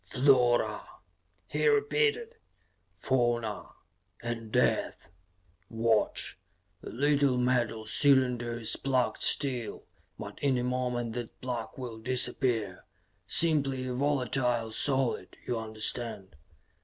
"Flora," he repeated. "Fauna. And death. Watch! The little metal cylinder is plugged still, but in a moment that plug will disappear simply a volatile solid, you understand.